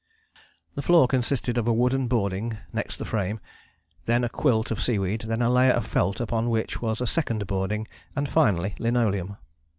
" The floor consisted of a wooden boarding next the frame, then a quilt of seaweed, then a layer of felt upon which was a second boarding and finally linoleum.